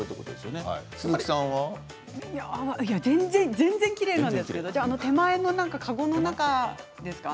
全然きれいなんですけど手前の籠の中ですか？